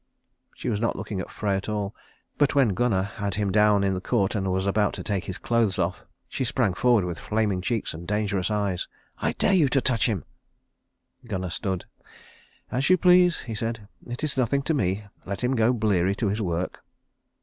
She was not looking at Frey at all; but when Gunnar had him down in the court and was about to take his clothes off, she sprang forward with flaming cheeks and dangerous eyes. "I dare you to touch him." Gunnar stood. "As you please," he said. "It is nothing to me. Let him go bleary to his work."